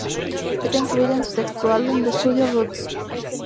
Está incluido en su sexto álbum de estudio "Roots".